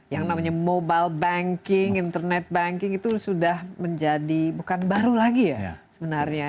yang namanya mobile banking internet banking itu sudah menjadi bukan baru lagi ya sebenarnya